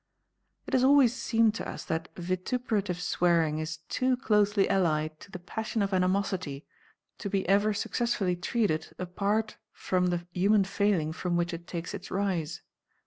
It has always seemed to us that vituperative swearing is too closely allied to the passion of animosity to be ever successfully treated apart from the human failing from which it takes its rise.